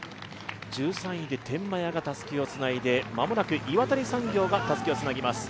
１３位で天満屋がたすきをつないで、間もなく岩谷産業がたすきをつなぎます。